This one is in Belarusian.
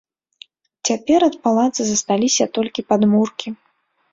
Цяпер ад палаца засталіся толькі падмуркі.